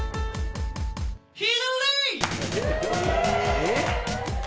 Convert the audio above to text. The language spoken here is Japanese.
えっ？